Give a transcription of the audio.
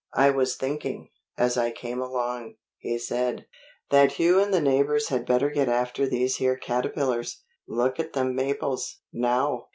"I was thinking, as I came along," he said, "that you and the neighbors had better get after these here caterpillars. Look at them maples, now."